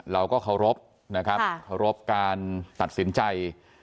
เราก็เคารพนะครับเคารพการตัดสินใจ